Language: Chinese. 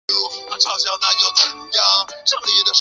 李敏是一名中国女子花样游泳运动员。